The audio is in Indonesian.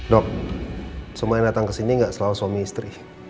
dok semua yang datang ke sini nggak selalu suami istri